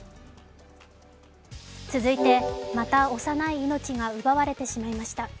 続いてまた幼い命が奪われてしまいました。